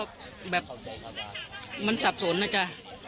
แบบมันสับสนนะจ๊ะ